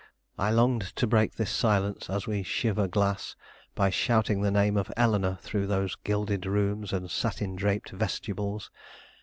I longed to break this silence as we shiver glass: by shouting the name of Eleanore through those gilded rooms and satin draped vestibules.